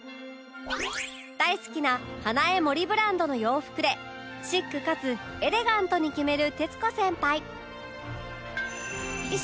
大好きなハナエモリブランドの洋服でシックかつエレガントに決める徹子先輩